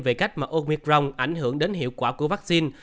về cách mà omicron ảnh hưởng đến hiệu quả của vaccine